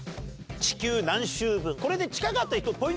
地球何周分。